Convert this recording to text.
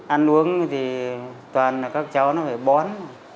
ăn uống thì toàn là các cháu nó phải bón